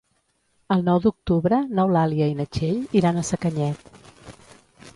El nou d'octubre n'Eulàlia i na Txell iran a Sacanyet.